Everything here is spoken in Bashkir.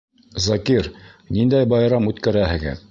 — Закир, ниндәй байрам үткәрәһегеҙ?